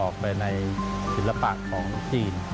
ออกไปในศิลปะของจีน